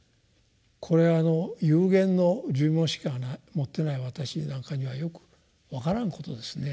これはあの有限の寿命しか持っていない私なんかにはよく分からんことですね。